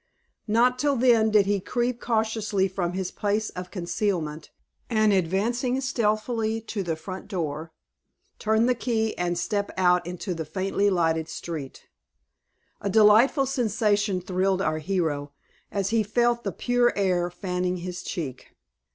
Not till then did he creep cautiously from his place of concealment, and advancing stealthily to the front door, turn the key, and step out into the faintly lighted street. A delightful sensation thrilled our hero, as he felt the pure air fanning his cheek.